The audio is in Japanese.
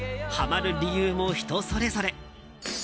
はまる理由も人それぞれ。